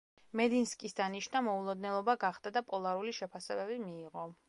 მედინსკის დანიშვნა მოულოდნელობა გახდა და პოლარული შეფასებები მიიღო.